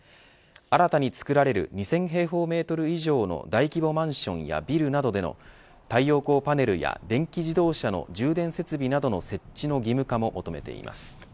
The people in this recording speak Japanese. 新たに作られる２０００平方メートル以上の大規模マンションやビルなどでの太陽光パネルや電気自動車の充電設備などの設置の義務化も求めています。